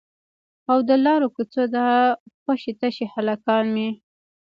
او د لارو کوڅو دا خوشي تشي هلکان مې